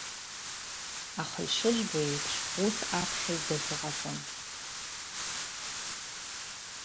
Аха, ишыжәбо еиԥш, ус аԥхьаҩ дазыҟаҵам.